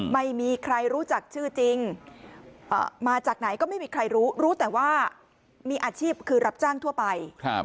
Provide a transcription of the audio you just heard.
ไม่มีใครรู้จักชื่อจริงมาจากไหนก็ไม่มีใครรู้รู้แต่ว่ามีอาชีพคือรับจ้างทั่วไป